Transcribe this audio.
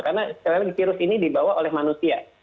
karena sekali lagi virus ini dibawa oleh manusia